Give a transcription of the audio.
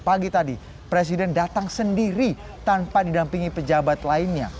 pagi tadi presiden datang sendiri tanpa didampingi pejabat lainnya